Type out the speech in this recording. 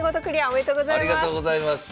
おめでとうございます。